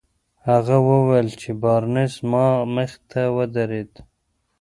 هغه وويل چې بارنس زما مخې ته ودرېد.